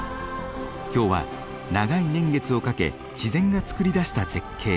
今日は長い年月をかけ自然がつくり出した絶景